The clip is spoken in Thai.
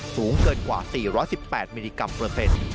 สูงเกินกว่า๔๑๘มิลลิกรัมเปอร์เซ็นต์